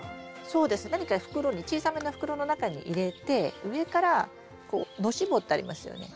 そうですね何か袋に小さめの袋の中に入れて上からこうのし棒ってありますよね。